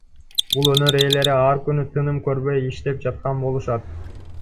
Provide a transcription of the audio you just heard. Бул өнөр ээлери ар күнү тыным көрбөй иштеп жаткан болушат.